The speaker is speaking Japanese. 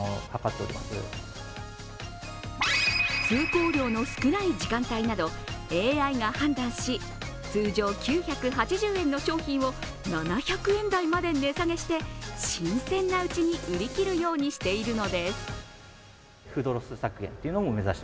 通行量の少ない時間帯などＡＩが判断し、通常９８０円の商品を７００円台まで値下げして新鮮なうちに売り切るようにしているのです。